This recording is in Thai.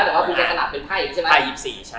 แต่ว่าคุณยายสนับเป็นไพ่ใช่ไหม